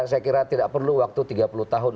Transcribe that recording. saya kira tidak perlu waktu tiga puluh tahun